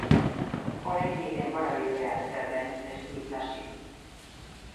Oraindik denbora librea zer den ez du ikasi.